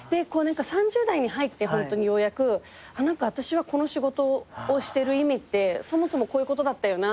３０代に入ってホントにようやく私はこの仕事をしてる意味ってそもそもこういうことだったよなって。